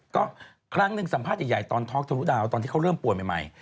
ก็ครั้งหนึ่งสัมภาษณ์ใหญ่ตอนท็อกทะลุดาวตอนที่เขาเริ่มป่วยใหม่